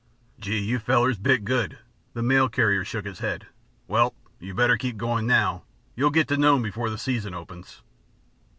"Gee! You fellers bit good." The mail carrier shook his head. "Well! You'd better keep going now; you'll get to Nome before the season opens.